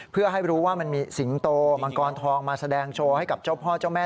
เพื่อให้รู้ว่ามันมีสิงโตมังกรทองมาแสดงโชว์ให้กับเจ้าพ่อเจ้าแม่